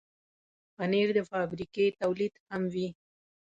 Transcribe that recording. پنېر د فابریکې تولید هم وي.